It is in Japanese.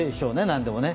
何でもね。